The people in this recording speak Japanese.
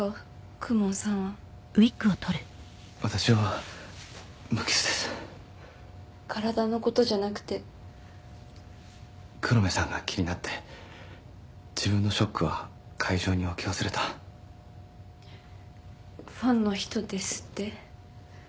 公文さんは私は無傷です体のことじゃなくて黒目さんが気になって自分のショックは会場に置き忘れたファンの人ですって？